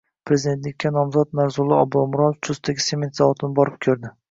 Prezidentlikka nomzod Narzullo Oblomurodov Chustdagi sement zavodini borib ko‘rdi